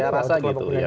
saya rasa gitu ya